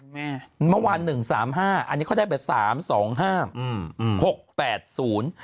เมื่อวาน๑๓๕อันนี้เค้าได้เป็น๓๒๕๖๘๐